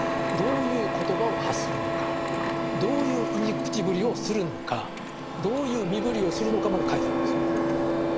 どういう言葉を発するのかどういう言い口ぶりをするのかどういう身振りをするのかまで書いてあるんですよ。